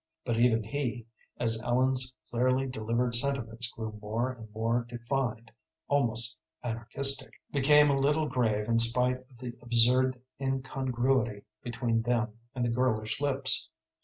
But even he, as Ellen's clearly delivered sentiments grew more and more defined almost anarchistic became a little grave in spite of the absurd incongruity between them and the girlish lips.